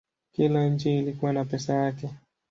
Kila nchi ilikuwa na pesa yake.